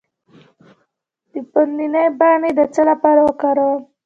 د پودینې پاڼې د څه لپاره وکاروم؟